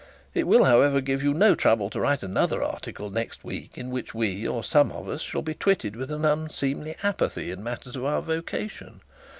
It will, however, give you no trouble to write another article next week in which we, or some of us, shall be twitted with an unseemly apathy in matters of our vocation.